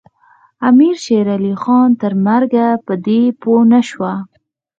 امیر شېرعلي خان تر مرګه په دې پوه نه شو.